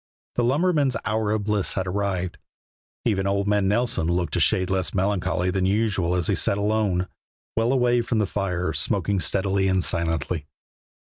The lumberman's hour of bliss had arrived. Even old man Nelson looked a shade less melancholy than usual as he sat alone, well away from the fire, smoking steadily and silently.